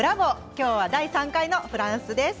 今日は第３回のフランスです。